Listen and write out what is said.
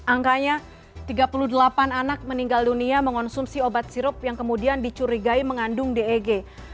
angkanya tiga puluh delapan anak meninggal dunia mengonsumsi obat sirup yang kemudian dicurigai mengandung deg